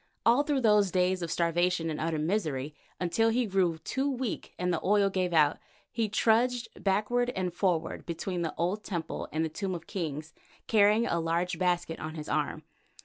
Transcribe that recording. All through those days of starvation and utter misery, until he grew too weak and the oil gave out, he trudged backward and forward between the old temple and the Tomb of Kings carrying a large basket on his arm.